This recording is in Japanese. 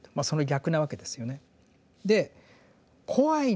その逆なわけですよね。